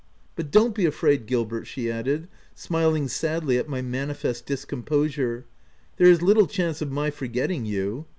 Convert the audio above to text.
But don't be afraid, Gilbert/' she added, smiling sadly at my manifest discomposure, " there is little chance of my forgetting you.